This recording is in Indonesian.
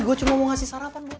gue cuma mau ngasih sarapan buat lo